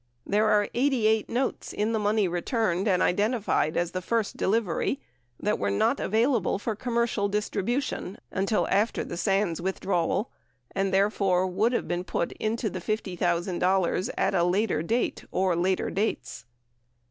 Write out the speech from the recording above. There are 88 notes in the money returned and identified as the first delivery that were not available for commercial distribution until after the Sands withdrawal and, therefore, would have been put into the $50,000 at a later date or later dates.